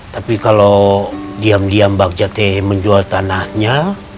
tapi kalau tanah bangja tidak ada jalannya